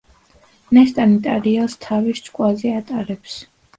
ნესტანი ტარიელს თავის ჭკუაზე ატარებს.